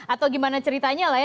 atau gimana ceritanya lah ya